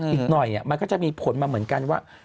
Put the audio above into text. อีกหน่อยมันก็จะมีผลมาเหมือนกันว่า